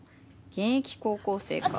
現役高校生か。